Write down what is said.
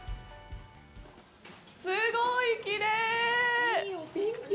すごいきれい！